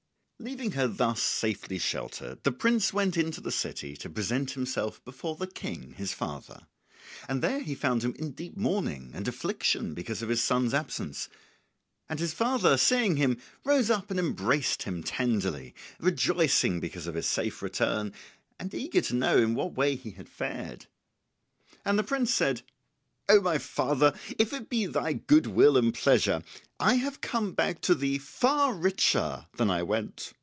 ] Leaving her thus safely sheltered, the prince went in to the city to present himself before the King his father; and there he found him in deep mourning and affliction because of his son's absence; and his father seeing him, rose up and embraced him tenderly, rejoicing because of his safe return, and eager to know in what way he had fared. And the prince said, "O my father, if it be thy good will and pleasure, I have come back to thee far richer than I went.